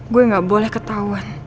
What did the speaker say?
gue gak boleh ketauan